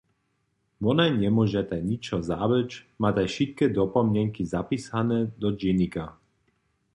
Wonaj njemóžetaj ničo zabyć, mataj wšitke dopomnjenki zapisane do dźenika.